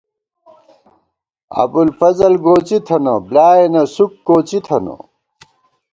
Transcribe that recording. ابُوالفضل گوڅی تھنہ، بۡلیائینہ سُک کوڅی تھنہ